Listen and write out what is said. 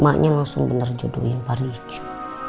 maknya langsung bener jodohin pariwija